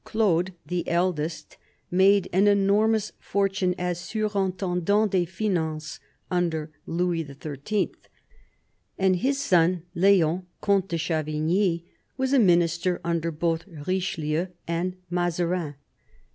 Claude, the eldest, made an enormous fortune as surintendant des finances under Louis XIII., and his son Leon, Comte de Chavigny, was a minister under both Richelieu and Mazarin.